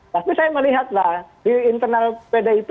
tapi saya melihatlah di internal pdip